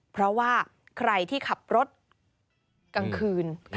เพราะว่าใครที่ขับรถกลางคืน